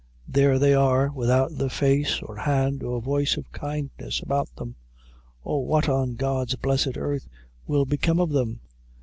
There they are, without the face, or hand, or voice of kindness about them. Oh, what on God's blessed earth will become of them?